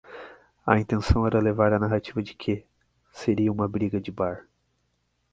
A intenção era levar a narrativa de que "seria uma briga de bar"